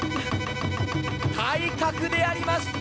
体格であります！